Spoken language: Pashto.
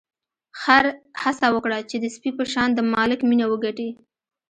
خر هڅه وکړه چې د سپي په شان د مالک مینه وګټي.